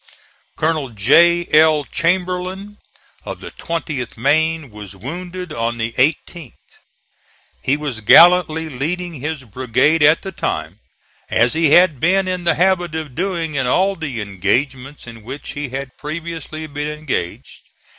Colonel J. L. Chamberlain, of the 20th Maine, was wounded on the 18th. He was gallantly leading his brigade at the time, as he had been in the habit of doing in all the engagements in which he had previously been engaged.